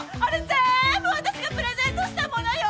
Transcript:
ぜーんぶ私がプレゼントしたものよ！